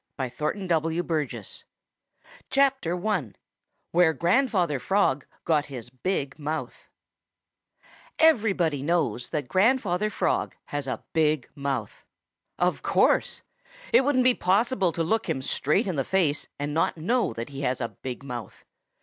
SAID HE 170 MOTHER WEST WIND "WHERE" STORIES I WHERE GRANDFATHER FROG GOT HIS BIG MOUTH Everybody knows that Grandfather Frog has a big mouth. Of course! It wouldn't be possible to look him straight in the face and not know that he has a big mouth.